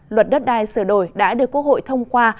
luật đất đai sửa đổi đã được quốc hội thông qua